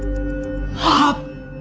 はっ。